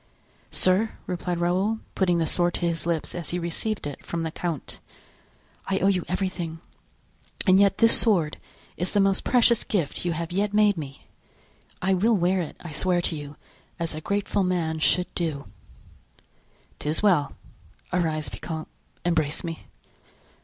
"Sir," replied Raoul, putting the sword to his lips as he received it from the count, "I owe you everything and yet this sword is the most precious gift you have yet made me. I will wear it, I swear to you, as a grateful man should do." "'Tis well; arise, vicomte, embrace me."